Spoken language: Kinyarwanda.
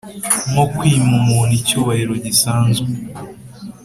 nko kwima umu ntu icyubahiro g-isanzwe